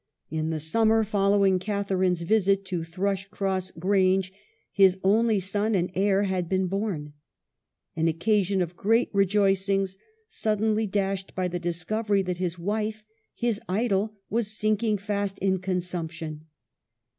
In the summer following Catharine's visit to Thrushcross Grange, his only son and heir had been born. An occasion of great re joicings, suddenly dashed by the discovery that his wife, his idol, was fast sinking in consump tion.